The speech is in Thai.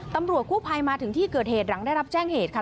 ตำรวจกู้ภัยมาถึงที่เกิดเหตุหลังได้รับแจ้งเหตุค่ะ